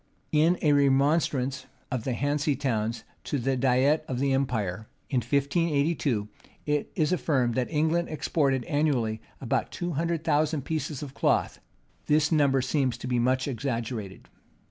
In a remonstrance of the Hanse Towns to the diet of the empire, in 1582, it is affirmed that England exported annually about two hundred thousand pieces of cloth.[] This number seems to be much exaggerated.